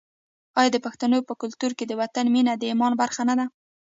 آیا د پښتنو په کلتور کې د وطن مینه د ایمان برخه نه ده؟